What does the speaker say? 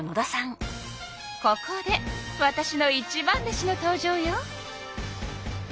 ここでわたしの一番弟子の登場よ。